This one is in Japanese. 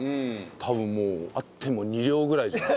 多分もうあっても２両ぐらいじゃない？